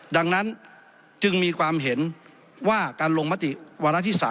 ดังนั้นจึงมีความเห็นว่าการลงมติวาระที่๓